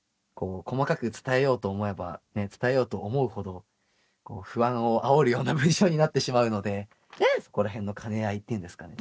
細かく伝えようと思えば伝えようと思うほどこう不安をあおるような文章になってしまうのでうんっそこら辺の兼ね合いっていうんですかね